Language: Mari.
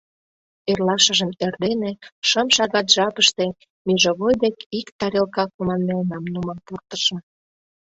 Эрлашыжым эрдене, шым шагат жапыште, межовой дек ик тарелка команмелнам нумал пуртышым.